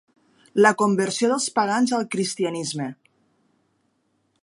La conversió dels pagans al cristianisme.